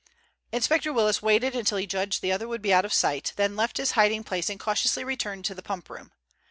Inspector Willis waited until he judged the other would be out of sight, then left his hiding place and cautiously returned to the pump room.